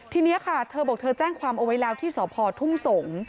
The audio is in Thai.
ทีนี้ค่ะเธอบอกเธอแจ้งความเอาไว้แล้วที่สพทุ่งสงศ์